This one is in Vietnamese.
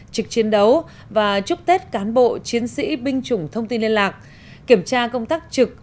trực chiến đấu và chúc tết cán bộ chiến sĩ binh chủng thông tin liên lạc kiểm tra công tác trực